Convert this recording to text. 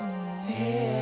へえ。